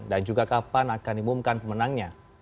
dan juga kapan akan imumkan pemenangnya